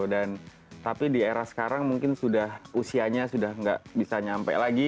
dan tapi di era sekarang mungkin sudah usianya sudah gak bisa nyampe lagi